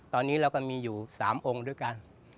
ตอนนี้เราก็มีอยู่๓องค์ด้วยกัน